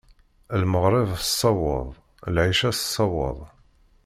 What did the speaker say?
Lmeɣreb tessawaḍ, lɛica tessawaḍ.